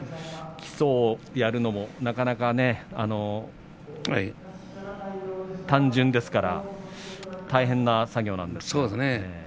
基礎をやるのもなかなか単純ですから大変な作業なんですが。